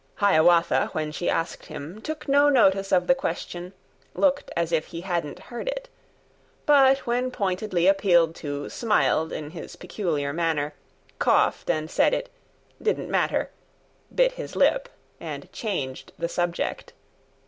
Hiawatha, when she asked him, Took no notice of the question, Looked as if he hadn't heard it; But, when pointedly appealed to, Smiled in his peculiar manner, Coughed and said it 'didn't matter,' Bit his lip and changed the subject.